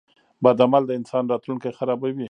• بد عمل د انسان راتلونکی خرابوي.